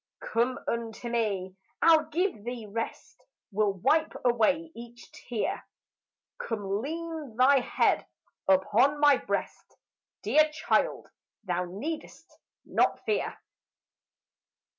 "Come unto me. I'll give thee rest, Will wipe away each tear; Come lean thy head upon my breast; Dear child, thou need'st not fear."